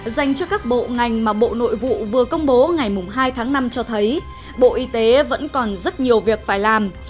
dành cho các bộ ngành mà bộ nội vụ vừa công bố ngày hai tháng năm cho thấy bộ y tế vẫn còn rất nhiều việc phải làm